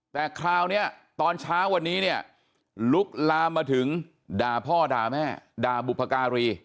แต่คราวนี้ตอนเช้าวันนี้เนี่ยลุกลามมาถึงด่าพ่อด่าแม่ด่าบุพการี